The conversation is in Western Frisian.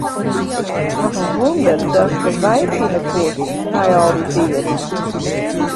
Noch in wûnder datst de wei fine koest nei al dy tiid.